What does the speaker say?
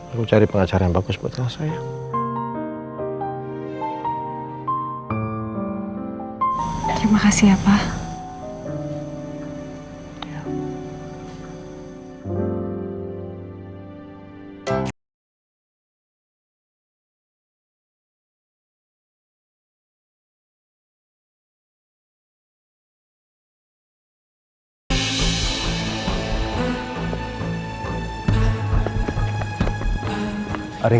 aku cari pengacara yang bagus buat elsa ya